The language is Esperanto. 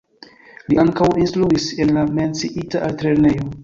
Li ankaŭ instruis en la menciita altlernejo.